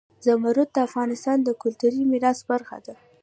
زمرد د افغانستان د کلتوري میراث برخه ده.